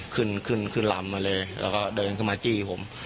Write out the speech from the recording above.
ขึ้นขึ้นลำมาเลยแล้วก็เดินขึ้นมาจี้ผม